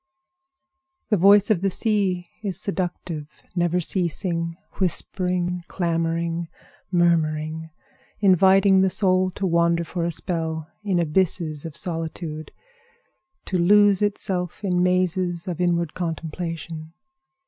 The voice of the sea is seductive; never ceasing, whispering, clamoring, murmuring, inviting the soul to wander for a spell in abysses of solitude; to lose itself in mazes of inward contemplation.